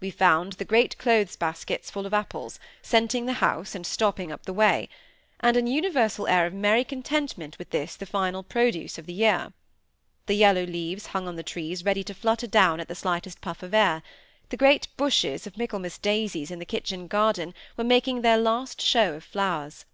We found the great clothes baskets full of apples, scenting the house, and stopping up the way; and an universal air of merry contentment with this the final produce of the year. The yellow leaves hung on the trees ready to flutter down at the slightest puff of air; the great bushes of Michaelmas daisies in the kitchen garden were making their last show of flowers.